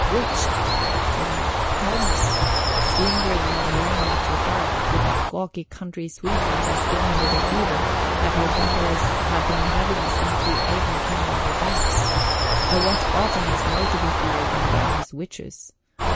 "Witched!" says Mother. "Tell me! 'Tis lingering in the lane after dark with that gawky country sweetheart has given her the fever that her betters have been having since the Avon come over bank. A wet autumn is more to be feared than Gammer's witches.